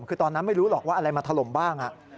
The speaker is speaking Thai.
คือตอนนั้นไม่รู้หรอกว่าอะไรมาถล่มบ้าง